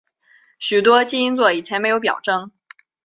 许多基因座以前没有表征。